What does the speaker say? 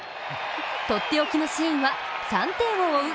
とっておきのシーンは、３点を追う